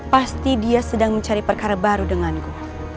pasti dia sedang mencari perkara baru denganku